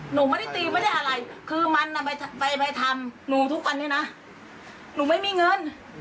หนูไม่ได้ตีไม่ได้อะไรคือมันไปทำหนูทุกวันนี้นะหนูไม่มีเงิน